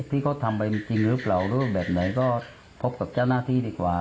ที่เขาทำไปจริงหรือเปล่ารูปแบบไหนก็พบกับเจ้าหน้าที่ดีกว่า